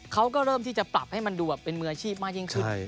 เขาก็เริ่มที่จะปรับให้มันดูแบบเป็นมืออาชีพมากยิ่งขึ้น